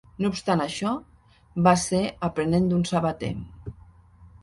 No obstant això, va ser aprenent d'un sabater.